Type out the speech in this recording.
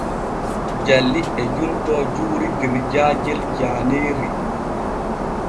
Jalli e juntoo juuri der jaajel jaaneeri.